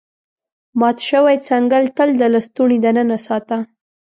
مات شوی څنګل تل د لستوڼي دننه ساته.